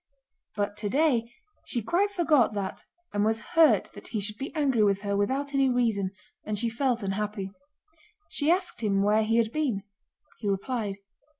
But today she quite forgot that and was hurt that he should be angry with her without any reason, and she felt unhappy. She asked him where he had been. He replied.